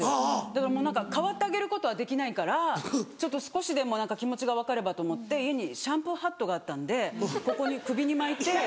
だから代わってあげることはできないからちょっと少しでも気持ちが分かればと思って家にシャンプーハットがあったんでここに首に巻いて。